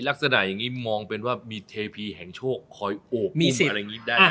ลักษณะอย่างนี้มองเป็นว่ามีเทพีแห่งโชคคอยโอบอุ้มอะไรอย่างนี้ได้ไหม